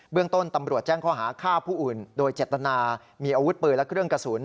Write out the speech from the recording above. เรื่องต้นตำรวจแจ้งข้อหาฆ่าผู้อื่นโดยเจตนามีอาวุธปืนและเครื่องกระสุน